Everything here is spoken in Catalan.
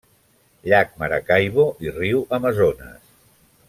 Llac Maracaibo i riu Amazones.